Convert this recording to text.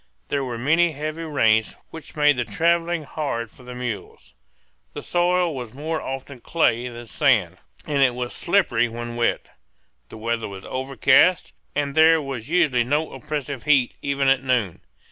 There were many heavy rains, which made the travelling hard for the mules. The soil was more often clay than sand, and it was slippery when wet. The weather was overcast, and there was usually no oppressive heat even at noon.